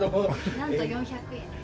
なんと４００円です。